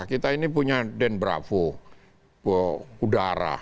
kita ini punya den bravo udara